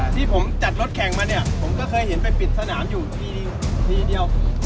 ที่ผมจัดรถแข่งมาเนี่ยผมก็เคยเห็นไปปิดสนามอยู่ทีเดียว